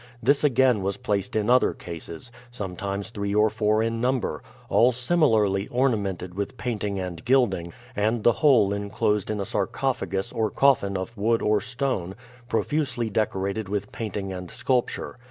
This again was placed in other cases, sometimes three or four in number, all similarly ornamented with painting and gilding, and the whole inclosed in a sarcophagus or coffin of wood or stone, profusely decorated with painting and sculpture.